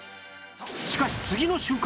しかし次の瞬間